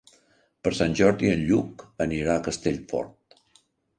Per Sant Jordi en Lluc anirà a Castellfort.